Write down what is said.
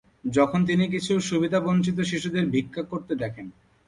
তখন তিনি কিছু সুবিধাবঞ্চিত শিশুদের ভিক্ষা করতে দেখেন।